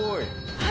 はい。